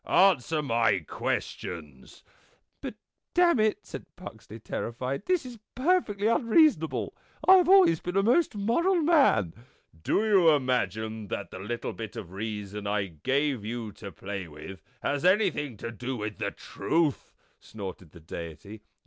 Answer my questions." " But damn it," said Puxley, terrified. " This is per fectly unreasonable. I have always been a most moral man." " Do you imagine that the little bit of reason I gave you to play with has anything to do with the truth?" snorted the Deity.